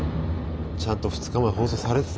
ちゃんと２日前放送されてた？